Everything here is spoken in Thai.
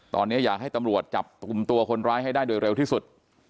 ตอนนี้อยากให้ตำรวจจับกลุ่มตัวคนร้ายให้ได้โดยเร็วที่สุด